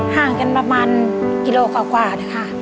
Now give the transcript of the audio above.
ห่างกันประมาณกิโลกว่านะคะ